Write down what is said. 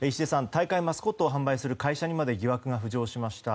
大会マスコットを販売する会社にまで疑惑が浮上しました。